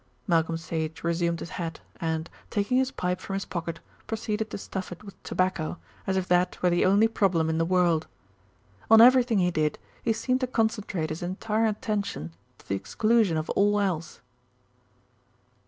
Malcolm Sage resumed his hat and, taking his pipe from his pocket, proceeded to stuff it with tobacco, as if that were the only problem in the world. On everything he did he seemed to concentrate his entire attention to the exclusion of all else.